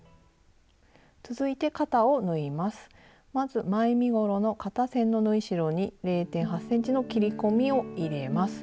まず前身ごろの肩線の縫い代に０．８ｃｍの切り込みを入れます。